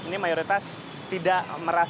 ini mayoritas tidak merasa